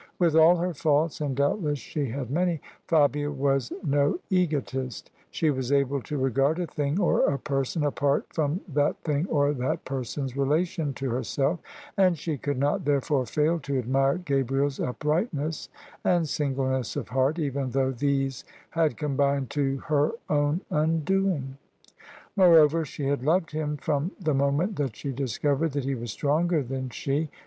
With all her faults — ^and doubtless she had many — Fabia was no egotist: she was able to regard a thing or a person apart from that thing or that person's relation to herself: and she could not therefore fail to admire Gabriers uprightness and singleness of heart, even though these had combined to her own imdoing. ' Moreover she had loved him from the moment that she discovered that he was stronger than she.